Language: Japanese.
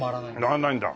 回らないんだ。